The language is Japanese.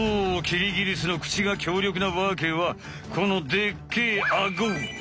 キリギリスのクチが強力なわけはこのでっけえアゴ！